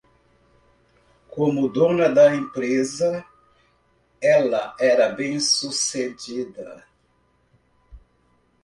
Como dona da empresa, ela era bem-sucedida